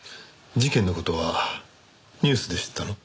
事件の事はニュースで知ったの？